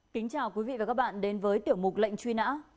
kính chào quý vị và các bạn đến với tiểu mục lệnh truy nã